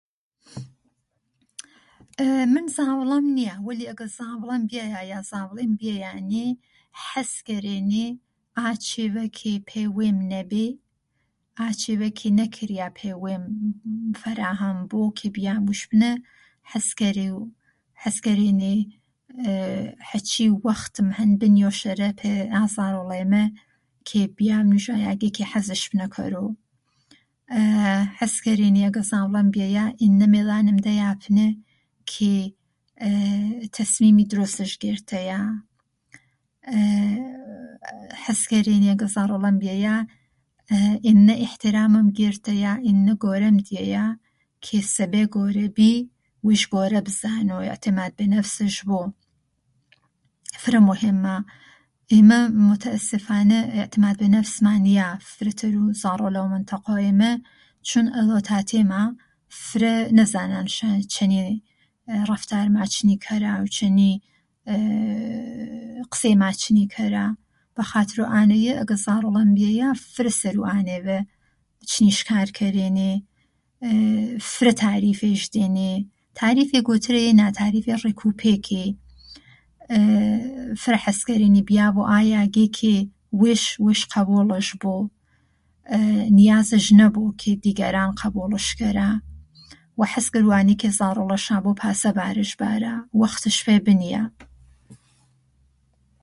من زاڤڵەم نیا، وەلی ئەگەر زاڤڵەم بیەیا یا زاڤڵێم بیەیانێ حەز کەرێنێ ئا چێڤە کە پەی وێم نەبێ، ئا چێڤە کە نەکریا پەی وێم فەراهەم عەز کەرێنێ عەرچی وەختم هەن بنیۆشەرە پەی ئا زاڤڵەیمە کە ..... حەز کەرێنێ ئەگەر زاڤڵەم بیەیا ئێننە مەیذانم دەیا پنە کە تەسمیمی دروسش گێرتەیا حەز کەرێنێ ئەگەر زاڤڵەم بیەیا ئێننە ئێحترامم گێرتەیا ئێنە گەورەم دیەیا کە سەبەی گۆرە بی وێش گەورە بزانۆ ئێعتێماد بە نەفسش بۆ. ئێمە مۆتەئەسێفانە ئێعتماد بە نەفسما نیا چوون ئەذاو تاتەو لا ئێمە فرە نەزانانشا چەنی رەفتارما چنی کەرا و چەنی قسێما چنی کەرا بەخاترۆ ئانەیە ئەگەر زاڤڵەم بیەیا فرە کارش چنی کەرێنێ فرە تاریفێش کەرێنێ. تاریفێ گۆترەیێ نا. تاریفێ رێکووپێکێ فرە عەز کەرێنێ بیاڤۆ ئا یاگێ کە وێش ویش قەبووڵش بۆ. نیازش نەبۆ کە دیگەران قەبوولش کەرا وە حەز کەرووئانی کە زاڤڵەشا بۆ پاسە بارش بارا. وەختش پەی بنیا